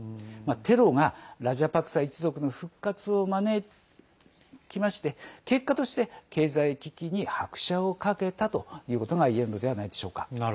テロがラジャパクサ一族の復活を招きまして結果として、経済危機に拍車をかけたということが言えるのではないでしょうか。